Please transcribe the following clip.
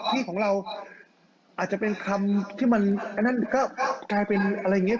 นี่ของเราอาจจะเป็นคำที่มันอันนั้นก็กลายเป็นอะไรอย่างนี้